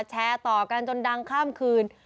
แชร์ต่อกันจนดังข้ามคืน